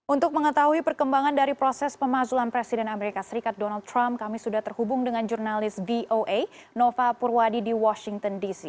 untuk mengetahui perkembangan dari proses pemazulan presiden amerika serikat donald trump kami sudah terhubung dengan jurnalis voa nova purwadi di washington dc